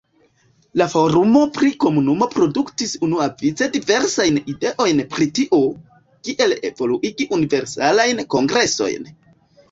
La forumo pri komunumo produktis unuavice diversajn ideojn prio tio, kiel evoluigi Universalajn Kongresojn.